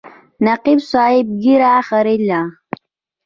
نقیب صاحب ږیره خریله.